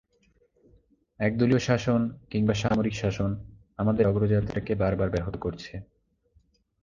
একদলীয় শাসন কিংবা সামরিক শাসন আমাদের অগ্রযাত্রাকে বারবার ব্যাহত করেছে।